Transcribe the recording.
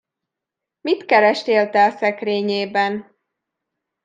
Mit kerestél te a szekrényében?